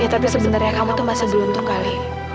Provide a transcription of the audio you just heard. tapi sebenarnya kamu tuh masih beruntung kali